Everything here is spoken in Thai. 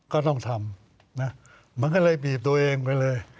ก็ต้องทำนะมันก็เลยบีบตัวเองไปเลย